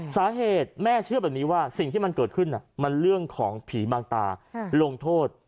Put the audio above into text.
สาเหตุแม่เชื่อแบบนี้ว่าสิ่งที่มันเกิดขึ้นมันเรื่องของผีบางตาลงโทษ